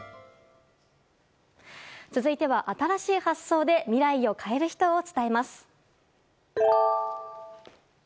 続いては、新しい発想で未来を変える人を伝えます。